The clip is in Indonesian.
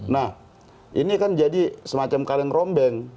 nah ini kan jadi semacam kaleng rombeng